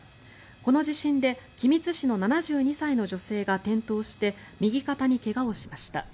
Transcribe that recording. この地震で君津市の７２歳の女性が転倒して右肩に怪我をしました。